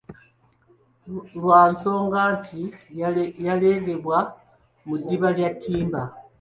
Lwa nsonga nti yaleegebwa mu ddiba lya ttimba.